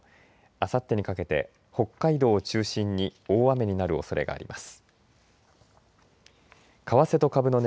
あさってにかけて北海道を中心に大雨になるおそれがあります。